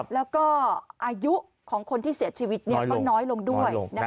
แล้วก็อายุของคนที่เสียชีวิตก็น้อยลงด้วย